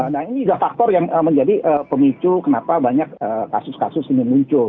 nah ini juga faktor yang menjadi pemicu kenapa banyak kasus kasus ini muncul